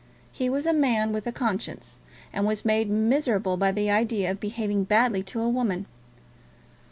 He was a man with a conscience, and was made miserable by the idea of behaving badly to a woman.